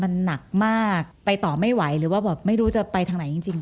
มันหนักมากไปต่อไม่ไหวหรือว่าแบบไม่รู้จะไปทางไหนจริง